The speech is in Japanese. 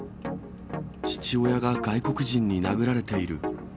父親が外国人に殴られている。